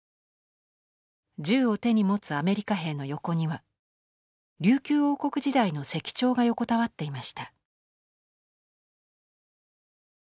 銃を手に持つアメリカ兵の横には琉球王国時代の石彫が横たわっていました。